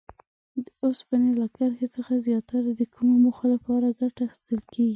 د اوسپنې له کرښې څخه زیاتره د کومو موخو لپاره ګټه اخیستل کیږي؟